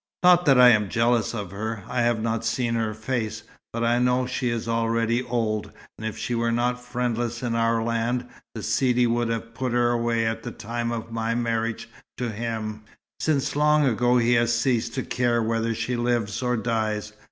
Not that I am jealous of her. I have not seen her face, but I know she is already old, and if she were not friendless in our land, the Sidi would have put her away at the time of my marriage to him, since long ago he has ceased to care whether she lives or dies.